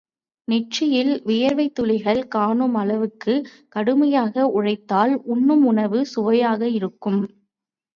நெற்றியில் வியர்வைத் துளிகள் காணும் அளவுக்குக் கடுமையாக உழைத்தால் உண்ணும் உணவு சுவையாக இருக்கும்.